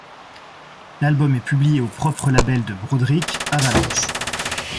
L'album est publié au propre label de Broadrick, Avalanche.